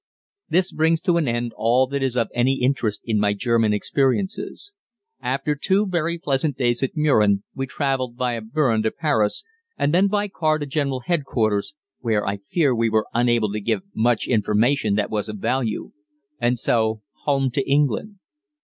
This brings to an end all that is of any interest in my German experiences. After two very pleasant days at Mürren we traveled via Berne to Paris, and then by car to General Headquarters (where I fear we were unable to give much information that was of value), and so home to England.